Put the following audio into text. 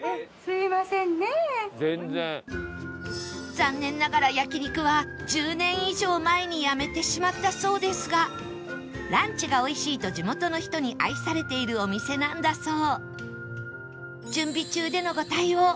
残念ながら焼肉は１０年以上前にやめてしまったそうですがランチがおいしいと地元の人に愛されているお店なんだそう